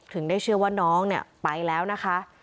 ถึงได้เชื่อว่าน้องเนี่ยไปแล้วนะคะ